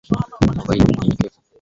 Wanaomba kwa unyenyekevu